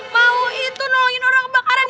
mau itu nolongin orang kebakaran ya